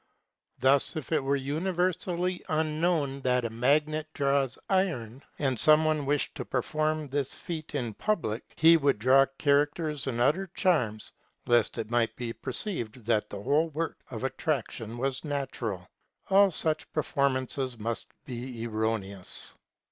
Thus, if it were universally unknown that a magnet draws iron, and some one wished to perform this feat in public, he would draw characters and utter charms, lest it might be per ceived that the whole work of attraction was natural. All such performances must be erroneous.